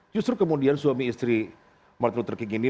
justru kemudian suami istri martin luther king ini